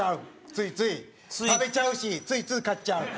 ついつい食べちゃうしついつい買っちゃう？